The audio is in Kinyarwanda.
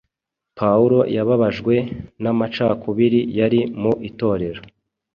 pawulo yababajwe n’amacakubiri yari mu itorero,